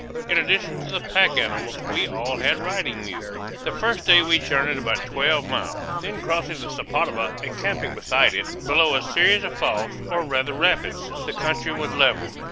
In addition to the pack animals we all had riding mules. The first day we journeyed about twelve miles, then crossing the Sepotuba and camping beside it, below a series of falls, or rather rapids. The country was level.